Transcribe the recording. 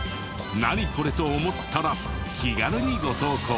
「ナニコレ？」と思ったら気軽にご投稿を。